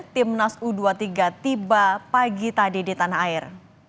timnas u dua puluh tiga tiba pagi tadi di tanah air